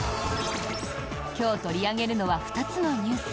今日取り上げるのは２つのニュース。